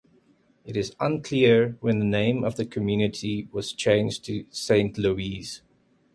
It is unclear when the name of the community was changed to Saint Louis.